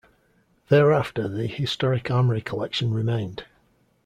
Thereafter the historic armoury collection remained.